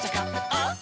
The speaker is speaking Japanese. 「あっ！